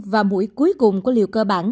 và mũi cuối cùng của liều cơ bản